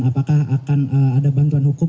apakah akan ada bantuan hukum